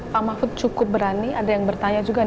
pak mahfud cukup berani ada yang bertanya juga